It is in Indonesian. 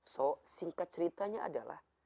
so singkat ceritanya adalah